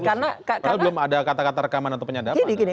karena belum ada kata kata rekaman atau penyadapan